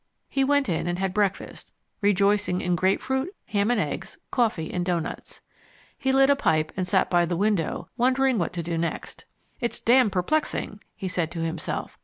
He went in and had breakfast, rejoicing in grapefruit, ham and eggs, coffee, and doughnuts. He lit a pipe and sat by the window wondering what to do next. "It's damned perplexing," he said to himself.